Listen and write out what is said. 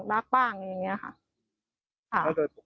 ๐บ้างอย่างนี้ค่ะโอเค